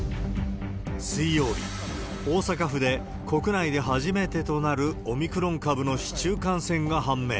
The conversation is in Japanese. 水曜日、大阪府で、国内で初めてとなるオミクロン株の市中感染が判明。